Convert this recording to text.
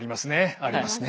ありますね。